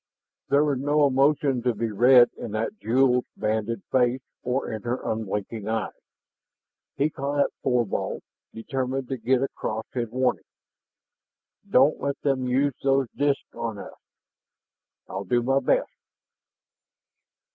There was no emotion to be read on that jewel banded face or in her unblinking eyes. He caught at Thorvald, determined to get across his warning. "Don't let them use those disks on us!" "I'll do my best."